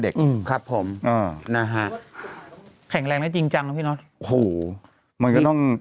อืมครับผมอ่านะฮะแข็งแรงได้จริงจังนะพี่เนอะโหมันก็ต้อง